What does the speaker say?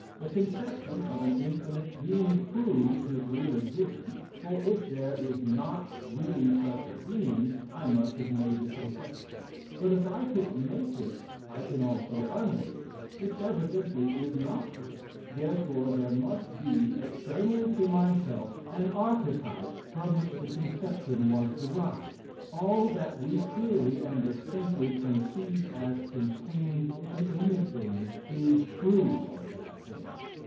The conception of an infinite being proved his real existence, for if there is not really such a being I must have made the conception; but if I could make it I can also unmake it, which evidently is not true; therefore there must be externally to myself, an archetype from which the conception was derived.".... "All that we clearly and distinctly conceive as contained in anything is true of that thing."